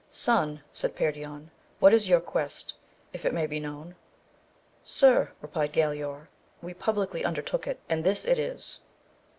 Son, said Perion, what is your quest ? if it may be known. Sir, replied Galaor, we publicly un dertook it, and this it is.